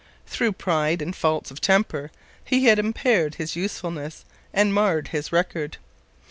Through pride and faults of temper he had impaired his usefulness and marred his record.